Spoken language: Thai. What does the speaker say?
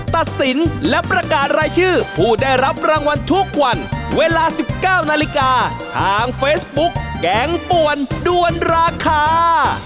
ตัดสินและประกาศรายชื่อผู้ได้รับรางวัลทุกวันเวลา๑๙นาฬิกาทางเฟซบุ๊กแกงป่วนด้วนราคา